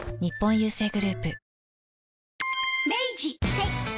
はい。